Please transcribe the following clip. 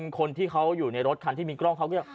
คนที่เขาอยู่ในรถคันที่มีกล้องเขาก็เรียก